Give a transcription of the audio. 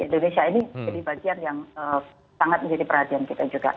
indonesia ini jadi bagian yang sangat menjadi perhatian kita juga